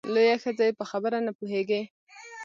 لویه ښځه یې په خبره نه پوهېږې !